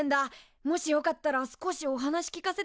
もしよかったら少しお話聞かせてもらえない？